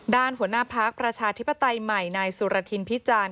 หัวหน้าพักประชาธิปไตยใหม่นายสุรทินพิจารณ